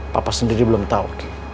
papa sendiri belum tau